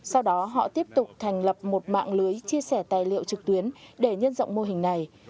sau đó họ tiếp tục thành lập một mạng lưới chia sẻ tài liệu trực tuyến để nhân rộng mô hình này